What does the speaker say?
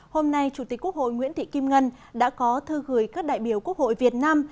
hôm nay chủ tịch quốc hội nguyễn thị kim ngân đã có thư gửi các đại biểu quốc hội việt nam